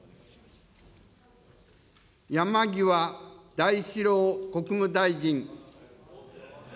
山際大志郎国務大臣。